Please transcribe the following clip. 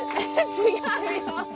違うよ！